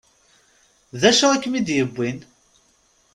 D acu i kem-id-yewwin?